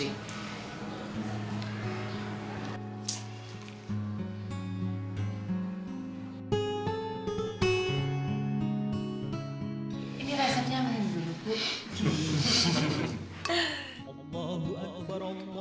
ini resepnya sama yang gue luput